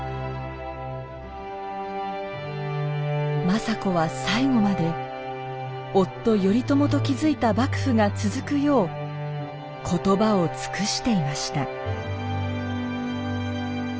政子は最後まで夫・頼朝と築いた幕府が続くよう言葉を尽くしていました。